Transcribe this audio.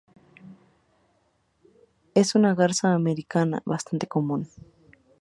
Es una garza americana bastante común.